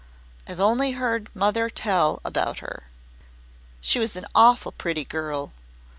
I've only heard mother tell about her. She was a awful pretty girl.